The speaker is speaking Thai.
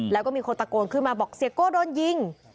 แล้วก็มีคนตะโกนขึ้นมาบอกเสียโก้โดนยิง